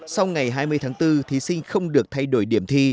sau ngày hai mươi tháng bốn thí sinh không được thay đổi điểm thi